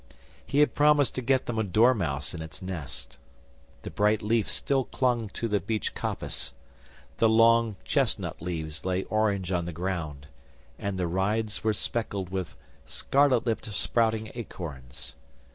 He had promised to get them a dormouse in its nest. The bright leaf Still clung to the beech coppice; the long chestnut leaves lay orange on the ground, and the rides were speckled with scarlet lipped sprouting acorns.